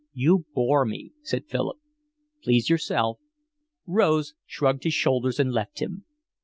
"You bore me," said Philip. "Please yourself." Rose shrugged his shoulders and left him.